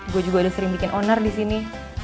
gue juga udah sering bikin owner di sini